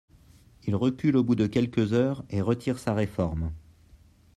Il recule au bout de quelques heures et retire sa réforme.